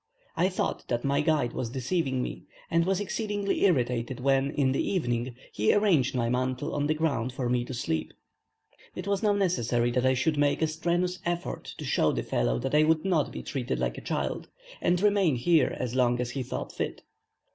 I thought that my guide was deceiving me; and was exceedingly irritated when, in the evening, he arranged my mantle on the ground for me to sleep. It was now necessary that I should make a strenuous effort to show the fellow that I would not be treated like a child, and remain here as long as he thought fit.